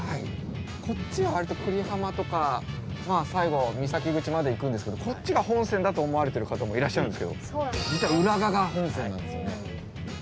こっちはわりと久里浜とか最後三崎口まで行くんですけどこっちが本線だと思われてる方もいらっしゃるんですけど実は浦賀が本線なんですよね。